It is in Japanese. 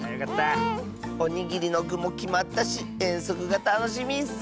おにぎりのぐもきまったしえんそくがたのしみッス。